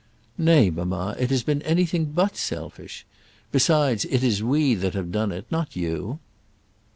"Nay, mamma; it has been anything but selfish. Besides, it is we that have done it; not you."